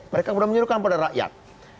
mereka menyerukan pada rakyat